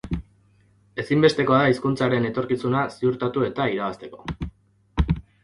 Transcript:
Ezinbestekoa da hizkuntzaren etorkizuna ziurtatu eta irabazteko.